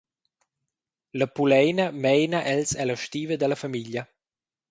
La puleina meina els ella stiva dalla famiglia.